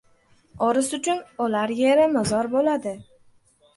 O‘ris uchun o‘lar yeri mozor bo‘ladi.